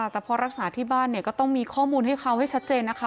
แต่พอรักษาที่บ้านเนี่ยก็ต้องมีข้อมูลให้เขาให้ชัดเจนนะคะ